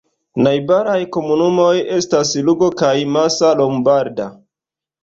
Najbaraj komunumoj estas Lugo kaj Massa Lombarda.